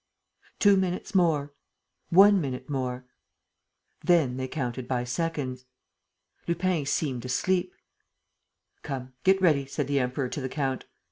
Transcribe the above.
Two minutes more ... one minute more ... Then they counted by seconds. Lupin seemed asleep. "Come, get ready," said the Emperor to the count.